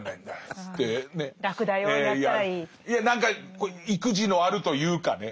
いや何か意気地のあるというかね